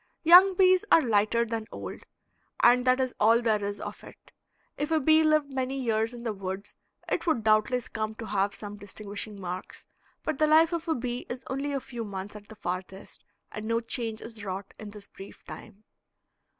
Young bees are lighter than old, and that is all there is of it. If a bee lived many years in the woods it would doubtless come to have some distinguishing marks, but the life of a bee is only a few months at the farthest, and no change is wrought in this brief time.